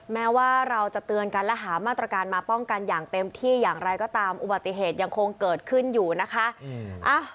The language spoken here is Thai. แม้ว่าเราจะเตือนกันและหามาตรการมาป้องกันอย่างเต็มที่อย่างไรก็ตามอุบัติเหตุยังคงเกิดขึ้นอยู่นะคะ